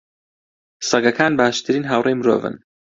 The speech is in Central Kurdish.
سەگەکان باشترین هاوڕێی مرۆڤن.